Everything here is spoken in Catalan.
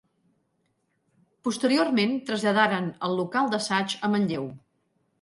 Posteriorment traslladaren el local d'assaig a Manlleu.